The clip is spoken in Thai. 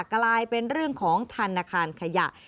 กลายเป็นเรื่องของธนาคารขยะ